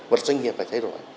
luật doanh nghiệp phải thay đổi